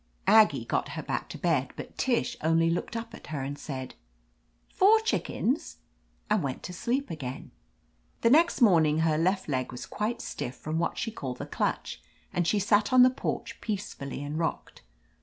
Aggie got her back to bed, but 224 OF LETITIA CARBERRY Tish only looked up at her and said, "Four chickens !" and went to sleep again. The next morning her left leg was quite stiff from what she called the clutch, and she sat on the porch peacefully and rocked.